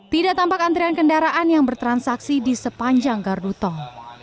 tidak tampak antrian kendaraan yang bertransaksi di sepanjang gardu tol